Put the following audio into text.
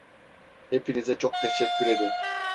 Hepinize çok teşekkür ederim.